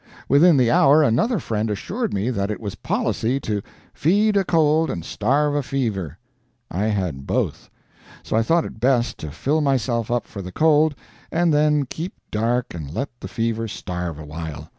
Within the hour, another friend assured me that it was policy to "feed a cold and starve a fever." I had both. So I thought it best to fill myself up for the cold, and then keep dark and let the fever starve awhile.